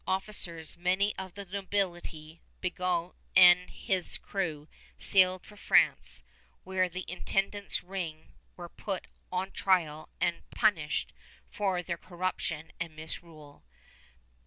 Officers, many of the nobility, Bigot and his crew, sailed for France, where the Intendant's ring were put on trial and punished for their corruption and misrule.